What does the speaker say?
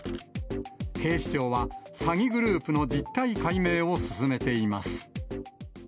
警視庁は、詐欺グループの実態解明を進めています。